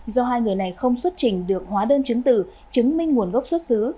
do hai người này không xuất trình được hóa đơn chứng tử chứng minh nguồn gốc xuất xứ